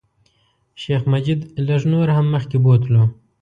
شیخ مجید لږ نور هم مخکې بوتلو.